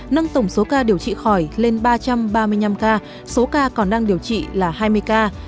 nâng tổng số ca điều trị khỏi lên ba trăm ba mươi năm ca số ca còn đang điều trị là hai mươi ca